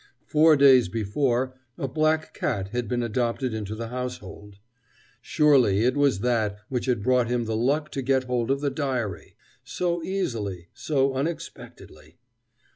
Four days before a black cat had been adopted into the household. Surely it was that which had brought him the luck to get hold of the diary! so easily, so unexpectedly.